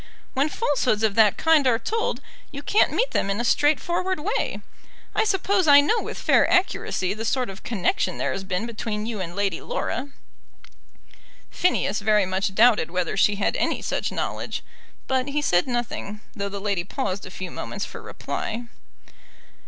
When falsehoods of that kind are told you can't meet them in a straightforward way. I suppose I know with fair accuracy the sort of connection there has been between you and Lady Laura." Phineas very much doubted whether she had any such knowledge; but he said nothing, though the lady paused a few moments for reply.